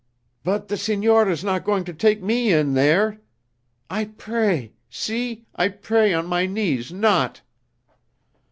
"But the signor is not going to take me in there? I pray, see, I pray on my knees not."